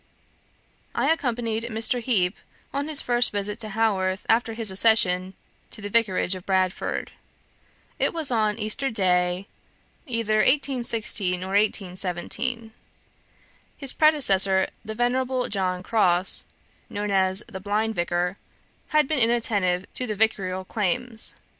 "I accompanied Mr. Heap on his first visit to Haworth after his accession to the vicarage of Bradford. It was on Easter day, either 1816 or 1817. His predecessor, the venerable John Crosse, known as the 'blind vicar,' had been inattentive to the vicarial claims.